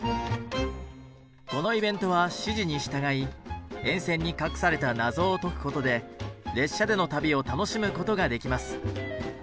このイベントは指示に従い沿線に隠された謎を解くことで列車での旅を楽しむことができます。